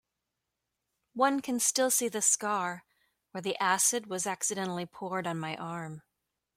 One can still see the scar where the acid was accidentally poured on my arm.